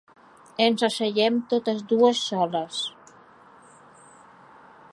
Ens asseiem totes dues soles.